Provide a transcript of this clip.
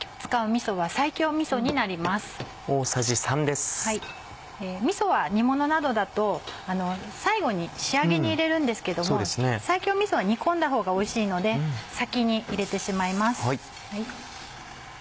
みそは煮物などだと最後に仕上げに入れるんですけども西京みそは煮込んだほうがおいしいので先に入れてしまいます。